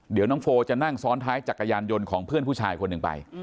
เดี๋ยวน้องโฟจะนั่งซ้อนท้ายจักรยานยนต์ของเพื่อนผู้ชายคนหนึ่งไป